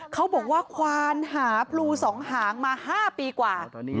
เขาบอกว่าควานหาพลูสองหางมา๕ปีกว่า